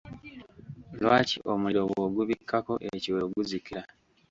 Lwaki omuliro bw'ogubikkako ekiwero guzikira?